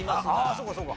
そうかそうか。